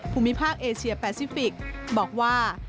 ภูมิภาคเอเชียแปซิฟิกบอกว่า